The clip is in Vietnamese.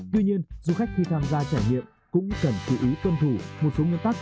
tuy nhiên du khách khi tham gia trải nghiệm cũng cần tự ý tuân thủ một số nguyên tắc